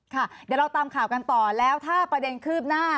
ค่ะเดี๋ยวเราตามข่าวกันต่อแล้วถ้าประเด็นคืบหน้า